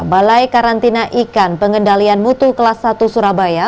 balai karantina ikan pengendalian mutu kelas satu surabaya